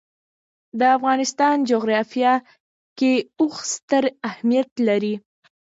د افغانستان جغرافیه کې اوښ ستر اهمیت لري.